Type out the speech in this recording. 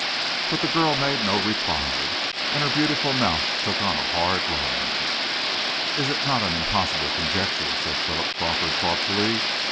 But the girl made no reply, and her beautiful mouth took on a hard line. "It is not an impossible conjecture," said Philip Crawford thoughtfully.